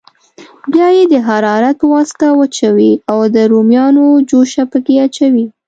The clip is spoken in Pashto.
بیا یې د حرارت په واسطه وچوي او د رومیانو جوشه پکې اچوي.